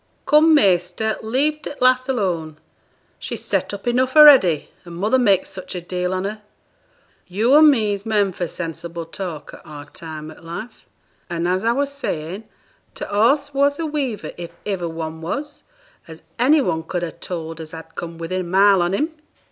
'Come, measter, leave t' lass alone; she's set up enough a'ready, her mother makes such a deal on her. Yo' an' me's men for sensible talk at our time o' life. An', as I was saying, t' horse was a weaver if iver one was, as any one could ha' told as had come within a mile on him.'